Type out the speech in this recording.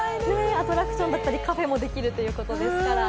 アトラクションだったり、カフェもできるということですから。